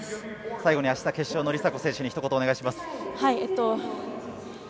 最後にあした、決勝の梨紗子選手にひと言お願いします。